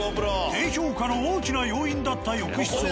低評価の大きな要因だった浴室は。